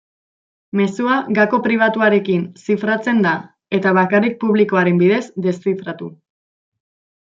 Mezua gako pribatuarekin zifratzen da eta bakarrik publikoaren bidez deszifratu.